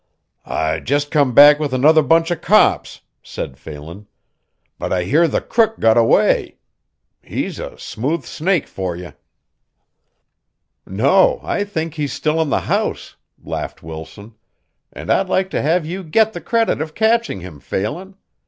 "I just come back with another bunch of cops," said Phelan, "but I hear the crook got away. He's a smooth snake fer ye." "No, I think he's still in the house," laughed Wilson, "and I'd like to have you get the credit of catching him, Phelan.